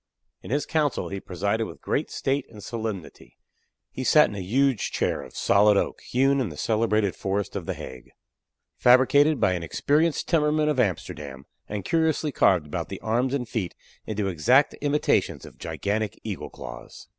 In his council he presided with great state and solemnity. He sat in a huge chair of solid oak, hewn in the celebrated forest of the Hague, fabricated by an experienced timmerman of Amsterdam, and curiously carved about the arms and feet into exact imitations of gigantic eagle's claws.